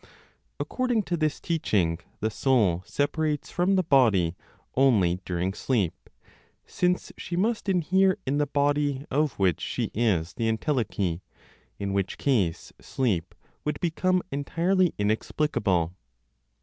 According to this teaching, the soul separates from the body only during sleep, since she must inhere in the body of which she is the entelechy, in which case sleep would become entirely inexplicable.